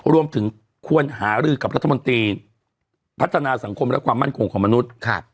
รวมถึงควรหารือกับรัฐมนตรีพัฒนาสังคมและความมั่นคงของมนุษย์